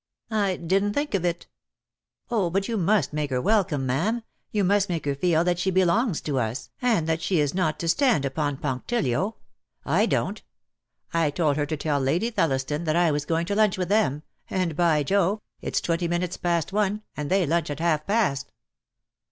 "I didn't think of it." "Oh, but you must make her welcome, ma'am, you must make her feel that she belongs to us, and that she is not to stand upon punctilio. I don't. I told her to tell Lady Thelliston that I was going to DEAD LOVE HAS CHAINS. 1 93 lunch with them, and, by Jove! it's twenty minutes past one, and they lunch at half past."